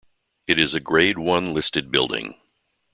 It is a Grade One listed building.